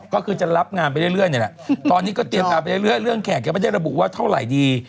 ก็คือจะรับงานไปเรื่อยนี่แหละตอนนี้ก็เตรียมการไปเรื่อยเรื่องแขกยังไม่ได้ระบุว่าเท่าไหร่ดี